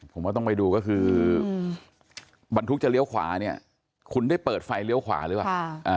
ผมว่าต้องไปดูก็คือบรรทุกจะเลี้ยวขวาเนี่ยคุณได้เปิดไฟเลี้ยวขวาหรือเปล่า